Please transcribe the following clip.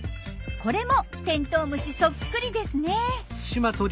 これもテントウムシそっくりですね。